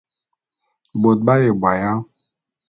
Bôt b'aye bo aya?